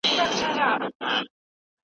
عمر له هغه ځایه د یوې غټې تجربې سره رخصت شو.